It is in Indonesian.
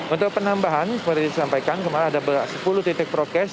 untuk penambahan seperti disampaikan kemarin ada sepuluh titik prokes